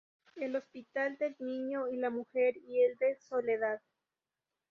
El Hospital del Niño y la Mujer y el de Soledad.